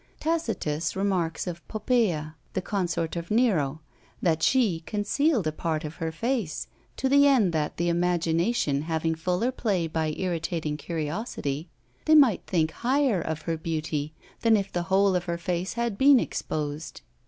Tacitus remarks of Poppea, the consort of Nero, that she concealed a part of her face; to the end that, the imagination having fuller play by irritating curiosity, they might think higher of her beauty than if the whole of her face had been exposed.